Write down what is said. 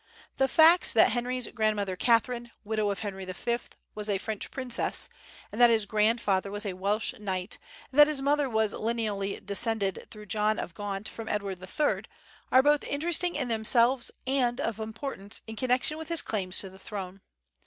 The facts that Henry's grandmother, Katharine, widow of Henry V, was a French princess, that his grandfather was a Welsh knight, and that his mother was lineally descended through John of Gaunt from Edward III are both interesting in themselves and of importance in connection with his claims to the throne.